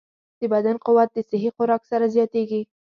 د بدن قوت د صحي خوراک سره زیاتېږي.